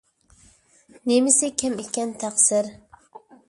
نېمىسى كەم ئىكەن تەقسىر؟